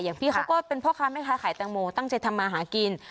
อย่างพี่เขาก็เป็นเพราะความให้ไข่แตงโมตั้งใจทำมาหากิน